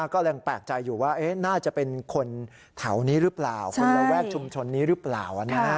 ก็เลยแปลกใจอยู่ว่าน่าจะเป็นคนแถวนี้หรือเปล่าคนระแวกชุมชนนี้หรือเปล่า